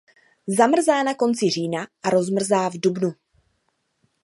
Zamrzá na konci října a rozmrzá v dubnu.